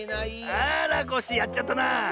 あらコッシーやっちゃったな！